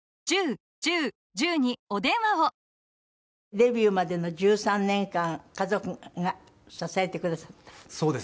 デビューまでの１３年間家族が支えてくださった？